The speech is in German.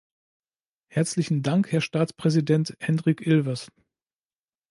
Herzlichen Dank, Herr Staatspräsident Hendrik Ilves!